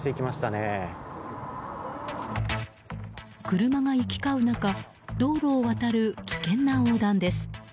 車が行き交う中道路を渡る危険な横断です。